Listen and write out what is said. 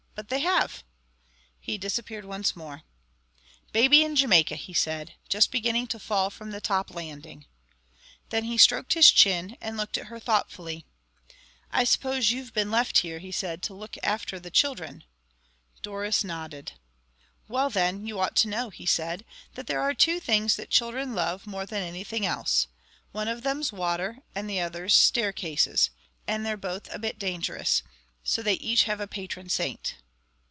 But they have." He disappeared once more. "Baby in Jamaica," he said, "just beginning to fall from the top landing." Then he stroked his chin and looked at her thoughtfully. "I suppose you've been left here," he said, "to look after the children." Doris nodded. "Well, then, you ought to know," he said, "that there are two things that children love more than anything else. One of them's water and the other's staircases. And they're both a bit dangerous. So they each have a patron saint."